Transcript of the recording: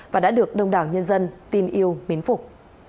và đã được đồng đảng nhân dân tin yêu biến phục